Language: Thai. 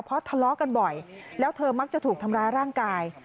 เพราะทะเลาะกันบ่อยแล้วเธอมักจะถูกทำร้ายร่างกาย